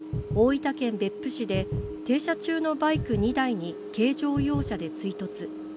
八田容疑者は去年６月、大分県別府市で停車中のバイク２台に軽乗用車で追突。